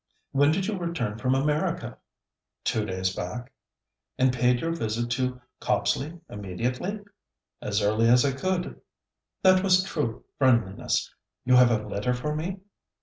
'When did you return from America?' 'Two days back.' 'And paid your visit to Copsley immediately?' 'As early as I could.' 'That was true friendliness. You have a letter for me?'